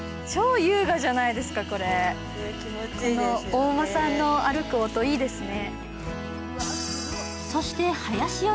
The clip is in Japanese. お馬さんの歩く音、いいですね。